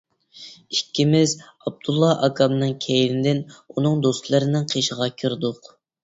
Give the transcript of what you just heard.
ئىككىمىز ئابدۇللا ئاكامنىڭ كەينىدىن ئۇنىڭ دوستلىرىنىڭ قېشىغا كىردۇق.